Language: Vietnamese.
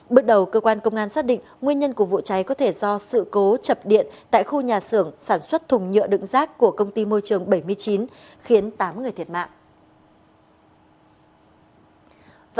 bước đầu cơ quan công an xác định nguyên nhân của vụ cháy có thể do sự cố chập điện tại khu nhà xưởng sản xuất thùng nhựa đựng rác của công ty môi trường bảy mươi chín khiến tám người thiệt mạng